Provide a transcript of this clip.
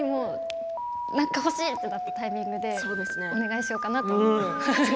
何か欲しいと思ったタイミングでお願いしようかなと。